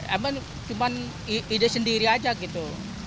emang cuman ide sendiri aja gitu